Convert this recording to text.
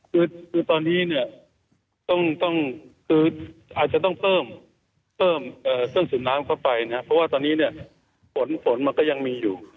คือตอนนี้อาจจะต้องเพิ่มเครื่องสูบน้ำเข้าไปเพราะว่าตอนนี้ฝนมันก็ยังมีอยู่